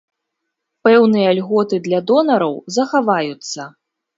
Пэўныя льготы для донараў захаваюцца.